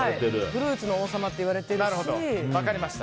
フルーツの王様と言われているし。